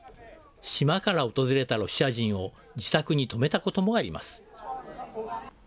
島から訪れたロシア人を自宅に泊めたこともあります。